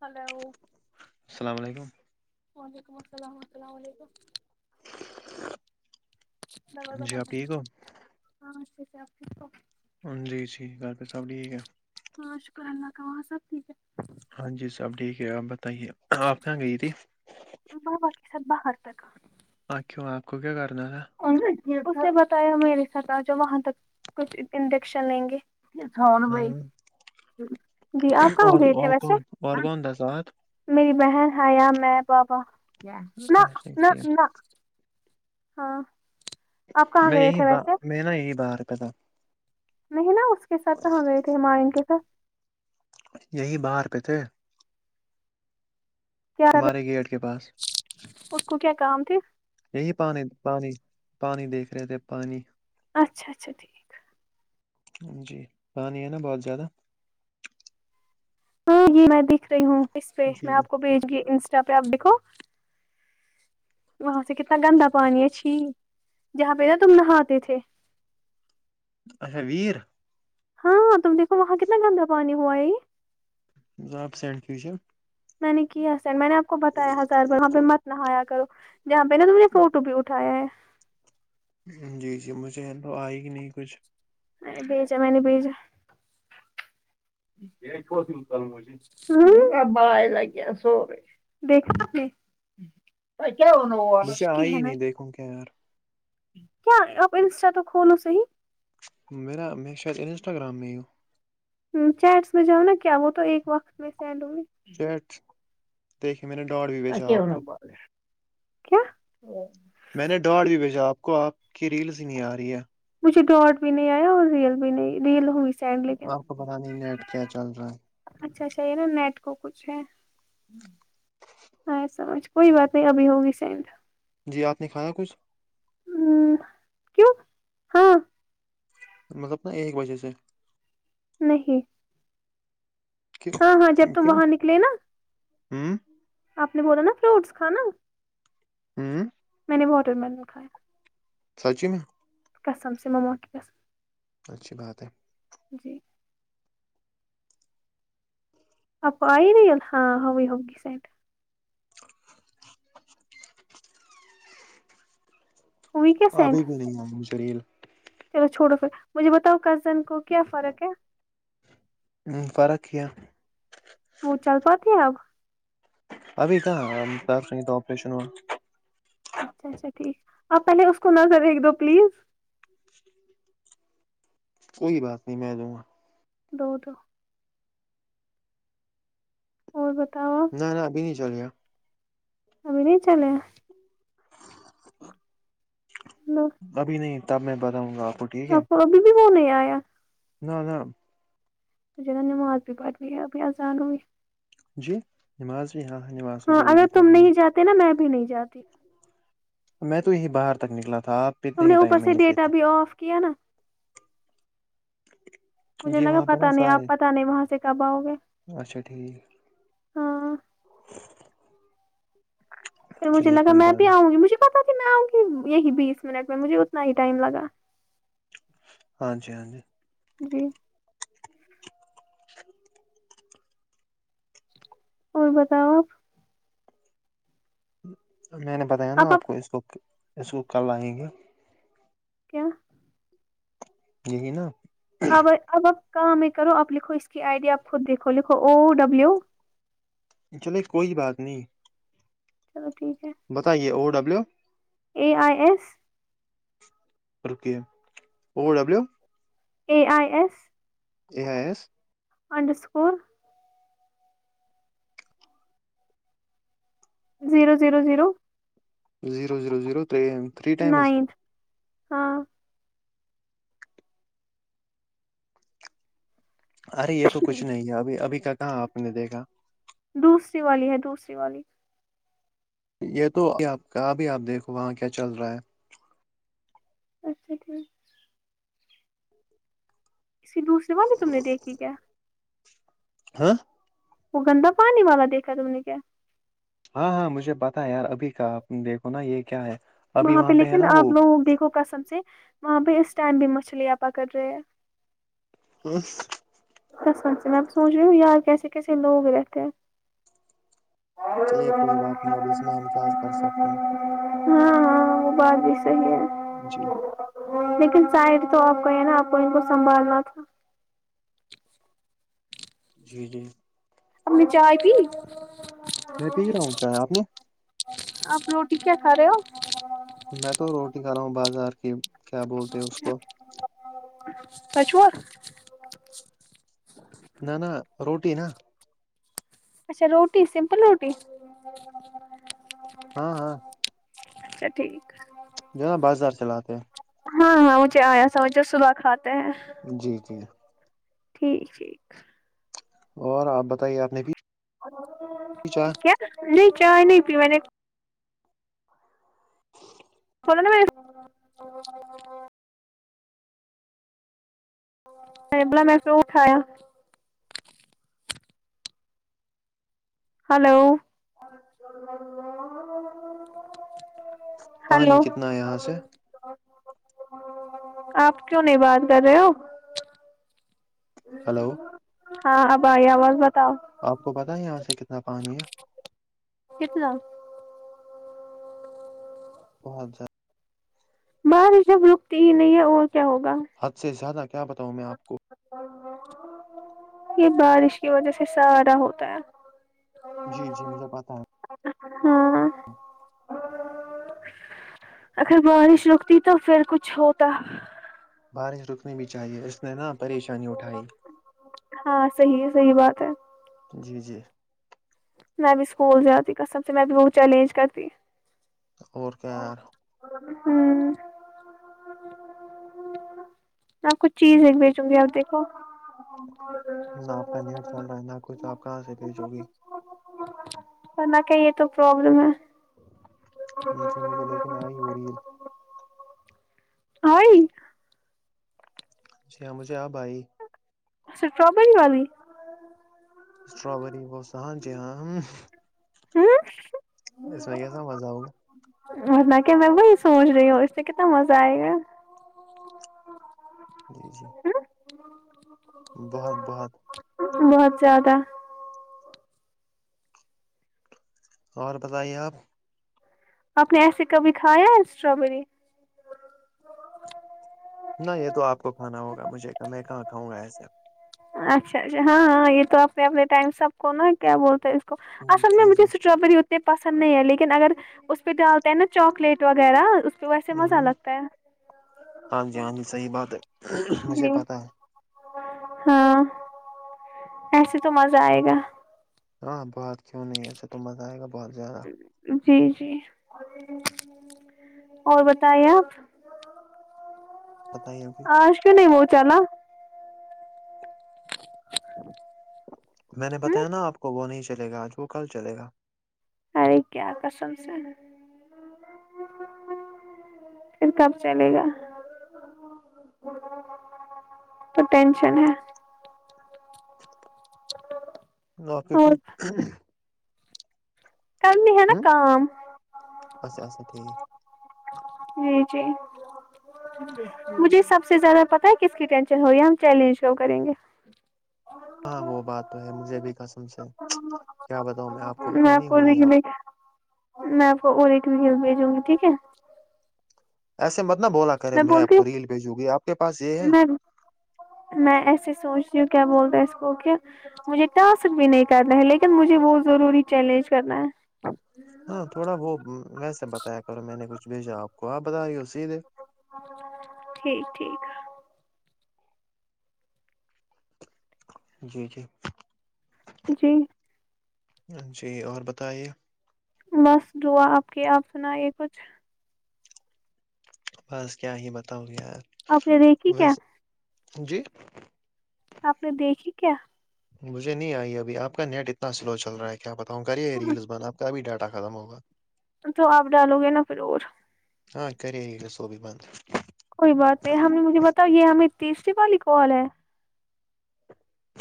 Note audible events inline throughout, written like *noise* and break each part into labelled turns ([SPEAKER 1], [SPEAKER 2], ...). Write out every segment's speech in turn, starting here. [SPEAKER 1] hello *inaudible*
[SPEAKER 2] السلام علیکم *unintelligible*
[SPEAKER 1] *unintelligible* دا دو
[SPEAKER 2] جی آپ ٹھیک ہو
[SPEAKER 1] ہاں آپ تو
[SPEAKER 2] جی ٹییک ہے پھر سب ٹھیک ہے *unintelligible*
[SPEAKER 1] ہاں شکر اللہ کا وہاں سب ٹھیک ہے
[SPEAKER 2] ہاں جی سب ٹھیک ہے آپ بتائیے آپ کہاں گئی تھی
[SPEAKER 1] بابا کے ساتھ باہر تکا *unintelligible*
[SPEAKER 2] ہ کیوں آپ کو کیا کرنا تھا
[SPEAKER 1] اس نے بتایا میرے س آج وہاں تک کچھ انڈیکشن لیں گے پ سون بئی *unintelligible*
[SPEAKER 2] ہاں
[SPEAKER 1] جی آپ کہاں
[SPEAKER 2] اور
[SPEAKER 1] گئے تھے
[SPEAKER 2] اور
[SPEAKER 1] ویسے
[SPEAKER 2] کون اور کون تھا ساتھ
[SPEAKER 1] میری بہن آ یا میں بابا نہ
[SPEAKER 2] اچھا
[SPEAKER 1] نہ
[SPEAKER 2] ٹھیک
[SPEAKER 1] نہ ہاں *unintelligible* آپ کہاں
[SPEAKER 2] میں
[SPEAKER 1] گئے
[SPEAKER 2] یہی
[SPEAKER 1] تھے
[SPEAKER 2] باہ
[SPEAKER 1] ویسے
[SPEAKER 2] میں نا یہی باہر پ تھا
[SPEAKER 1] نہیں نا اس کے ساتھ سے ہم گئے تھے ہم ہمان کے ساتھ
[SPEAKER 2] یہی باہر پہ تھے *unintelligible*
[SPEAKER 1] کیا
[SPEAKER 2] ہمارے گیٹ کے پاس
[SPEAKER 1] اس کو کیا کام تھی
[SPEAKER 2] یہی پانی پانی پانی دیکھ رہے تھے پانی
[SPEAKER 1] اچھا اچھا ٹھیک *unintelligible*
[SPEAKER 2] جی پانی ہے نا بہت زیادہ
[SPEAKER 1] ہاں جی میں دکھ رہی ہوں اس پہ
[SPEAKER 2] جی
[SPEAKER 1] میں
[SPEAKER 2] جی
[SPEAKER 1] آپ کو بھیج گی انسٹا پہ آپ دھو وہاں سے کتنا گندا پانی ہے چھی جہاں پہ نا تم نہاتے تھے
[SPEAKER 2] اچھا ویر *unintelligible*
[SPEAKER 1] ہاں تم دیکو وہاں کتنا گندا پانی ہوا ہے یہ
[SPEAKER 2] جناب سینڈ کیج
[SPEAKER 1] میں نے کیا سین میں نے آپ کو بتایا ہزار ب وہاں پہ مت نہ آایا کرو جہاں پہ نا تو مجھے فوٹو بھی اٹھایا ہے
[SPEAKER 2] جی جی مجھے تو آئے گ نہیں کچھ
[SPEAKER 1] میں نے بھیجا میں نے بھیجا یہ کو س کل مجے *unintelligible* ہ ابائے لگیا سورے دیکھ ت کیا ن ا
[SPEAKER 2] مجھے آئی ہی
[SPEAKER 1] کین
[SPEAKER 2] نہیں
[SPEAKER 1] *unintelligible*
[SPEAKER 2] دیکھوں کیا یار
[SPEAKER 1] کیا آپ انسٹا تو کھولو صحی
[SPEAKER 2] میر نا میں شاید انسٹاگرام نو
[SPEAKER 1] چیٹس میں جاؤ نا کیا وہ تو ایک وقت میں سینڈ ہوں گی
[SPEAKER 2] چیٹ دیکھے میں نے ڈاڈھ بج بجا
[SPEAKER 1] ہوگی
[SPEAKER 2] آپ کو
[SPEAKER 1] کیا *unintelligible*
[SPEAKER 2] میں نے ڈاڈ بھی بھیجا آپ کو آپ کی ریلس ہی نہیں آ رہی ہے
[SPEAKER 1] مجھے ڈاٹ بھی نہیں آیا اور ریل بھی نہیں ریل ہوئی *unintelligible*
[SPEAKER 2] آپ کو پتا نہیں نیٹ کیا چل رہا ہے
[SPEAKER 1] اچھا اچھا یہ نا نیٹ کو کچھ ہے ااں سمجھ کوئی بات نہیں ابھی ہوگی سینڈ *unintelligible*
[SPEAKER 2] جی آپ نے کھانا کچھ
[SPEAKER 1] ہ کیوں ہاں *unintelligible*
[SPEAKER 2] مطلب نا ایک وجہ سے
[SPEAKER 1] نہیں
[SPEAKER 2] کی
[SPEAKER 1] ہاں ہاں جب تم
[SPEAKER 2] کیوں
[SPEAKER 1] وہاں
[SPEAKER 2] ہوں *unintelligible*
[SPEAKER 1] اپپنے بول نا فروٹس کانا
[SPEAKER 2] ہوں *unintelligible*
[SPEAKER 1] میں نے واٹر ملن کھایا *unintelligible*
[SPEAKER 2] سچی میں *unintelligible*
[SPEAKER 1] قسم سے ما موقے قسم
[SPEAKER 2] اچھی بات ہے *unintelligible* *unintelligible*
[SPEAKER 1] جی *unintelligible* اپ آئیریل ہاں ہوئی ہوگ گی سینٹ
[SPEAKER 2] *inaudible*
[SPEAKER 1] ہوئی کیا سینڈ
[SPEAKER 2] ابھی بھی نہیں ہ شریل
[SPEAKER 1] چلو چھوڑو پھر مجھے بتاؤ کزن کو کیا فرق ہے
[SPEAKER 2] ہ فرق کیا *unintelligible*
[SPEAKER 1] وہ چل پاتے اب
[SPEAKER 2] ابھی کہاں پس نہیں تھا آپریشن ہو
[SPEAKER 1] اچھا اچھا ٹھیک آپ پہلے اس کو نظر دیکھ دو پلیز
[SPEAKER 2] کوئی بات نہیں میں دوں گا
[SPEAKER 1] دو دو *unintelligible* اور بتاؤ
[SPEAKER 2] ج ن
[SPEAKER 1] آپ
[SPEAKER 2] ابھی نہیں چلےیا *unintelligible*
[SPEAKER 1] ابھی نہیں چلے
[SPEAKER 2] *inaudible*
[SPEAKER 1] ن *unintelligible*
[SPEAKER 2] ابھی نہیں تب میں بتاؤں گاپ
[SPEAKER 1] آپ ابھی بھی ہونے آیا
[SPEAKER 2] نہ نہ
[SPEAKER 1] سھے نماز بھی پڑ رہی ہے بیا زانوی
[SPEAKER 2] جی نماز بھیی یہاں نمازو
[SPEAKER 1] ہاں اگر
[SPEAKER 2] ضروری
[SPEAKER 1] تم
[SPEAKER 2] پڑنی
[SPEAKER 1] نہیں جاتے نا میں بھی نہیں جاتی
[SPEAKER 2] میں تو یہی باہر تک نکلا تھا آپ
[SPEAKER 1] تم
[SPEAKER 2] اتنے ہی
[SPEAKER 1] اوپر
[SPEAKER 2] ٹائم میں
[SPEAKER 1] سے
[SPEAKER 2] نے
[SPEAKER 1] ڈیٹا
[SPEAKER 2] پیتانا
[SPEAKER 1] بھی آف کیا نا *unintelligible* مجھے
[SPEAKER 2] جی
[SPEAKER 1] لگا
[SPEAKER 2] وہاں پہ نا
[SPEAKER 1] پتا نہیں
[SPEAKER 2] سارے
[SPEAKER 1] آپ پتا نہیں وہاں سے کب آؤ گے
[SPEAKER 2] اچھا ٹھیک
[SPEAKER 1] ہاں
[SPEAKER 2] *inaudible*
[SPEAKER 1] پھر مجھے
[SPEAKER 2] چلیے
[SPEAKER 1] لگا
[SPEAKER 2] کوئی
[SPEAKER 1] میں اب
[SPEAKER 2] بات
[SPEAKER 1] بھی
[SPEAKER 2] نہیں
[SPEAKER 1] آؤں گی مجھے پتا ت میں آؤں گی یہی بیس منٹ میں مجھے اتنا ہی ٹائم لگا
[SPEAKER 2] ہاں جی ہاں جی
[SPEAKER 1] جی اور بتاؤ آپ
[SPEAKER 2] میں نے بتایا نا آپ کو اس کو اس کو کل آئیں گے
[SPEAKER 1] کیا
[SPEAKER 2] نا
[SPEAKER 1] اب اب اپ کام ہے کرو آپ لکھو اس کی آئیڈیا آپ خود دیکھو لکھو او ڈبلو
[SPEAKER 2] چلے کوئی بات نہیں
[SPEAKER 1] چلو ٹھیک ہے
[SPEAKER 2] بتائیے O W
[SPEAKER 1] A I S
[SPEAKER 2] okay O W
[SPEAKER 1] A I S
[SPEAKER 2] ا ہے
[SPEAKER 1] underscore zero zero zero
[SPEAKER 2] zero zero zero three times
[SPEAKER 1] ninth ہاں
[SPEAKER 2] ارے یہ تو کچھ نہیں ہے ابھی ابھی کا کہاں آپ نے دیکھا
[SPEAKER 1] دوسری والی ہے دوسری والی
[SPEAKER 2] یہ تو ابھی آپ ابھی آپ دیکھو وہاں کیا چل رہا ہے
[SPEAKER 1] اچھا ٹھیک اسی دوسرری بات ہی تم نے دیکھی کیا
[SPEAKER 2] ہاں
[SPEAKER 1] وہ گندا پانی والا دیکھا تم نے کیا
[SPEAKER 2] ہاں ہاں مجھے پتا ہے یار ابھی کا دیکھو نا یہ کیا ہے ابھی
[SPEAKER 1] وہاں پہ
[SPEAKER 2] ہے
[SPEAKER 1] لیکن
[SPEAKER 2] نا
[SPEAKER 1] آپ
[SPEAKER 2] وہ
[SPEAKER 1] لوگوں دیکھو کسم سے وہاں پہ اس ٹائم بھی مچھلیاں پکڑ رہے ہیں
[SPEAKER 2] ہوں
[SPEAKER 1] سس سنچ سے میں اب سوچ رہی ہوں یار کیسے کیسے لوگ رہتے ہیں
[SPEAKER 2] چلیے کوئی بات نہیں اب اس میں ہم کیا کر سکتے ہیں
[SPEAKER 1] ہاں ہاں وہ بات بھی صحی ہے
[SPEAKER 2] جی
[SPEAKER 1] لیکن شاید تو آپ کو یہ نا آپ کو ان کو سنبھالنا تھا
[SPEAKER 2] جی جی
[SPEAKER 1] ہمنے چائے کی
[SPEAKER 2] میں پی رہا ہوں چائے آپ نے
[SPEAKER 1] آپ روٹی کیا کھا رہے ہو
[SPEAKER 2] میں تو روٹی کھا رہا ہوں بازار کی کیا بولتے اس کو
[SPEAKER 1] ت چا
[SPEAKER 2] نہ روٹی نا
[SPEAKER 1] اچھا روٹی سمپل روٹی
[SPEAKER 2] ہاں ہاں
[SPEAKER 1] اچھا ٹھیک
[SPEAKER 2] جو ہے نا بازار چلاتے ہیں
[SPEAKER 1] ہاں ہاں مجھے آیا سمجھ صبح کھاتے ہیں
[SPEAKER 2] جی جی
[SPEAKER 1] ٹھیک ٹھیک
[SPEAKER 2] اور آپ بتائیے آپ نے بھی پوچھا
[SPEAKER 1] نہیں چائے نہیں ک سبلا میں پھر اٹھایا ہلو
[SPEAKER 2] پانی
[SPEAKER 1] ہلو
[SPEAKER 2] کتنا ہے یہاں سے
[SPEAKER 1] آپ کیوں نہیں بات کر رہے ہو
[SPEAKER 2] ہلو
[SPEAKER 1] ہاں آبھائی آواز بتاؤ
[SPEAKER 2] آپ کو پت ہے یہاں سے کتنا پانی ہے
[SPEAKER 1] فف کتنان
[SPEAKER 2] بہتچ جا
[SPEAKER 1] بار جب رکتی ہی نہیں ہے اور کیا ہوگا
[SPEAKER 2] حد سے زیادہ کیا بتاؤں میں آپ کو
[SPEAKER 1] یہ بارش کی وجہ سے سارا ہوتا ہے
[SPEAKER 2] جی جی مجھے پت ہے
[SPEAKER 1] ہاں اگر بارش رکتی تو پھر کچھ ہوتا
[SPEAKER 2] بارش رکنی بھی چاہیے اس نے نا پریشانی اٹھائی
[SPEAKER 1] ہاں صحیح ہے صحیح بات ہے
[SPEAKER 2] جی جی
[SPEAKER 1] میں بھی اسکول جاتی کسم سے میں بھی وہہت چیلنج کرتی
[SPEAKER 2] اور کیا ار
[SPEAKER 1] ہوں آ کچھ چیز ایک بیچوں گی آپ دیکھو
[SPEAKER 2] نہ آپ کا نیٹ چل رہا ہے نہ کچھ آپ کہاں سے بھیجو گی
[SPEAKER 1] نہ کہ یہ تو پرابلم ہے
[SPEAKER 2] جی مجھے لیکن آ ہی ہو رہی
[SPEAKER 1] ہ
[SPEAKER 2] جی ہاں مجھے آب آئی
[SPEAKER 1] اسٹرابری والی
[SPEAKER 2] اسٹرابری بوس ہاں جی ہاں
[SPEAKER 1] ہاں
[SPEAKER 2] اس میں کیسا مزہ ہوگا
[SPEAKER 1] انا کہ میں وہی سوچ رہی ہوں اس سے کتنا مزہ آئے گا
[SPEAKER 2] جی جی بہت بہت
[SPEAKER 1] بہت زیادہ
[SPEAKER 2] اور بتائیے آپ
[SPEAKER 1] آپ نے ایسے کبھی کھایا ہے اسٹرابری
[SPEAKER 2] نہ یہ تو آپ کو کھانا ہوگا مجھے کہ میں کہاں کھؤں گا ایسے
[SPEAKER 1] اچھا اچھا ہاں ہاں یہ تو اپنے اپنے ٹائم سب کو نا کیا بولتے ہیں آ س ہم نے
[SPEAKER 2] جی
[SPEAKER 1] مجھے
[SPEAKER 2] جی
[SPEAKER 1] اسٹرابری پسند نہیں ہے لیکن اگر اس پہ ڈالتے ہیں نا چاکلیٹ وغیرہ تو ویسے مزہ لگتا ہے
[SPEAKER 2] ہاں جی ہاں جی صحیح بات مجھے
[SPEAKER 1] جی
[SPEAKER 2] پتاہ
[SPEAKER 1] ہاں ایسے تو مزہ آئے گا
[SPEAKER 2] ہاں بہت کیوں نہیں ایسے تو مزہ آئے گا بہت زیادہ
[SPEAKER 1] جی جی اور بتائیے آپ
[SPEAKER 2] بتائیے
[SPEAKER 1] آ
[SPEAKER 2] کچھ
[SPEAKER 1] اشک نہیں وہچالا چچف
[SPEAKER 2] میں نے بتایا نا آپ کو وہ نہیں چلے گا آج وہ کل چلے گا
[SPEAKER 1] ارے کیا کرسم سے پھر کب چلے گا تو ٹینشن ہے
[SPEAKER 2] ن پ تھ
[SPEAKER 1] اور کرنے ہے نا کام
[SPEAKER 2] اچھا اچھا ٹھیک
[SPEAKER 1] ہوں جی مجھے سب سے زیادہ پتا ہے کس کی ٹینشن ہو رہی ہے ہم چیلنج کی کریں گے
[SPEAKER 2] ہاں وہ بات تو ہے مجھے بھی کسم سے ہے کیا بتاؤ میں آپ کو اتنی نہیں ہوگی آپ
[SPEAKER 1] میں آپ کو اور ایکٹ ویی بھیجوں گی ٹھیک ہے
[SPEAKER 2] ایسے مت نہ بولا کرے میں آپ کو ریل بھیجوں گی آپ کے پاس یہ
[SPEAKER 1] ہوں
[SPEAKER 2] ہے
[SPEAKER 1] میں میں ایسے سوچ رہی ہوں کیا بول رہا ہے اس کو کہ مجھے ٹاسک بھی نہیں کرنا ہے لیکن مجھے وہ ضروری چیلنج کرنا ہے
[SPEAKER 2] ہاں تھوڑا وہ ویسے بتایا کرو میں نے کچھ بھیجا آپ کو آپ بتا رہی ہو سیدھے
[SPEAKER 1] ٹھیک ٹھیک
[SPEAKER 2] جی جی
[SPEAKER 1] جی
[SPEAKER 2] جی اور بتائیے
[SPEAKER 1] بس دعا آپ کی آپ سنا یہ کچھ
[SPEAKER 2] بس کیا ہی بتاؤں گی یار
[SPEAKER 1] آپ نے دیکھیھی کیا
[SPEAKER 2] ویسے جی
[SPEAKER 1] آپ نے دیکھی کیا
[SPEAKER 2] مجھے نہیں آئی ابھیپ کا نیٹ اتنا سلو چل رہا ہے کیا بتاؤں گ یہ ریلس بند آپ کا ابھی ڈاٹا ا ختم ہوگا
[SPEAKER 1] تو آپ ڈالو گے نا پھر اور
[SPEAKER 2] ہاں کر ہی گ س ہو بھی بھی بند
[SPEAKER 1] کوئی بات نہیں ہم نے مجھے بتا یہ ہمیں تیسری والی کال ہے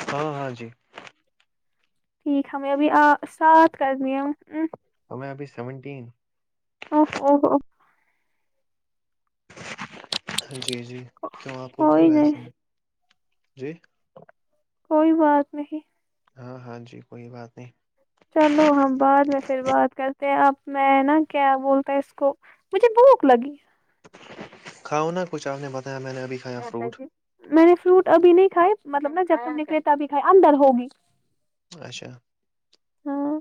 [SPEAKER 2] ہاں ہاں جی
[SPEAKER 1] ٹھیک ہمیں ابھی آ ساتھ کرنی ہے
[SPEAKER 2] ہمیں ابھی سیونٹین
[SPEAKER 1] اوہ اوہ
[SPEAKER 2] جی جی کیوں آپ کو کیوں
[SPEAKER 1] کوئی نہیں
[SPEAKER 2] وسا جی
[SPEAKER 1] کوئی بات نہیں
[SPEAKER 2] ہاں ہاں جی کوئی بات نہیں
[SPEAKER 1] چلو ہم بعد میں پھر بات کرتے ہیں اب میں نا کیا بولتا اس کو مجھے بھوک لگی
[SPEAKER 2] کھا نا کچھ آپ نے بتایا میں نےبھی
[SPEAKER 1] میں نے فروٹ ابھی نہیں کھائے مطلب نا جب سے نکلے تبھی کھائے اندر ہوگی
[SPEAKER 2] اچھا
[SPEAKER 1] ہاں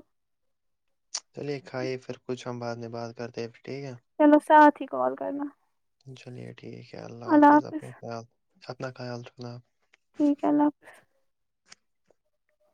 [SPEAKER 2] چلیے کھائیے پھر کچھ ہم بعد میں بات کرتے پھر ٹھیک ہے
[SPEAKER 1] چلو ساتھ ہی کال کرنا
[SPEAKER 2] چلیئے ٹھیک ہے اللہ حافظ اپنا خیال اپنا خیال رکھنا
[SPEAKER 1] ٹھیک ہے اللہ حافظ